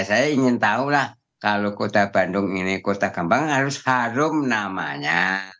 saya ingin tahu lah kalau kota bandung ini kota gambang harus harum namanya